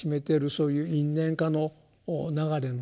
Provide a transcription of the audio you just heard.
そういう「因・縁・果」の流れのですね